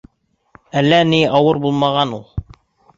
Әллә ни ауыр булмаған ул.